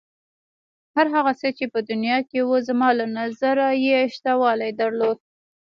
هر هغه څه چې په دنیا کې و زما له نظره یې شتوالی درلود.